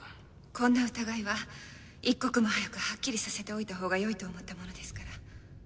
こんな疑いは一刻も早くはっきりさせておいたほうがよいと思ったものですから。